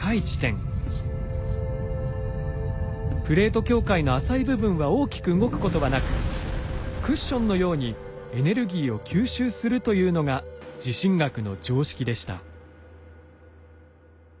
プレート境界の浅い部分は大きく動くことはなくクッションのようにエネルギーを吸収するというのが地震学の常識でした。